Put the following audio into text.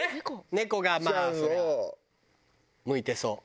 猫がまあそりゃ向いてそう。